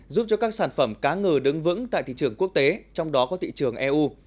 giúp cho các sản phẩm cá ngừ đứng vững tại thị trường quốc tế trong đó có thị trường eu